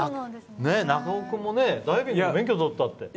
中尾君もダイビングの免許取ったって。